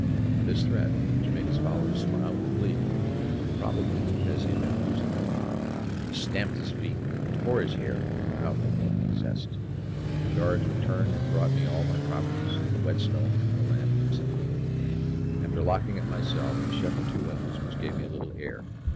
At this threat, which made his followers smile with glee, probably because he had been abusing them, he stamped his feet, tore his hair, and went out like one possessed. The guards returned and brought me all my properties, the whetstone and lamp excepted. After locking up my cell he shut the two windows which gave me a little air.